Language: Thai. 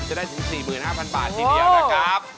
จะได้ถึง๔๕๐๐บาททีเดียวนะครับ